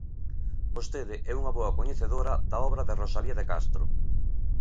Vostede é unha boa coñecedora da obra de Rosalía de Castro.